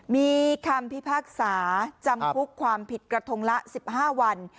มีคำพิพากษาจำคุกความผิดกระทงละ๑๕วัน